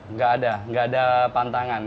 nggak ada nggak ada pantangan